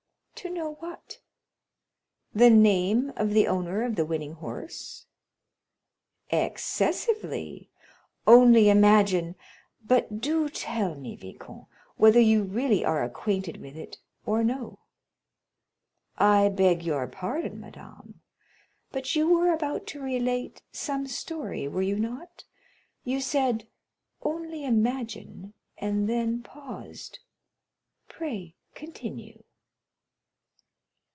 "To know what?" "The name of the owner of the winning horse?" "Excessively; only imagine—but do tell me, viscount, whether you really are acquainted with it or no?" "I beg your pardon, madame, but you were about to relate some story, were you not? You said, 'only imagine,'—and then paused. Pray continue."